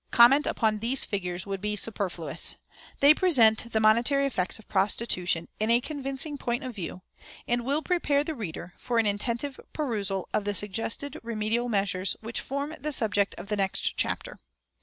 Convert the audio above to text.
Comment upon these figures would be superfluous. They present the monetary effects of prostitution in a convincing point of view, and will prepare the reader for an attentive perusal of the suggested remedial measures which form the subject of the next chapter.